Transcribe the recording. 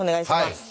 はい。